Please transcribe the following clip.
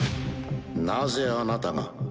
なぜあなたが？